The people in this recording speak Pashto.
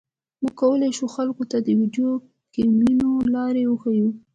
موږ کولی شو خلکو ته د ویډیو ګیمونو لارې وښیو